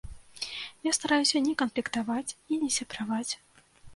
Я стараюся не канфліктаваць і не сябраваць.